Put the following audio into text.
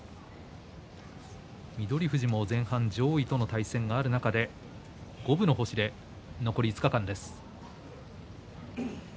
富士も前半、上位との対戦がある中で五分の星で残り５日間です。